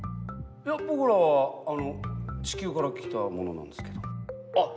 いや僕らはあの地球から来た者なんですけど。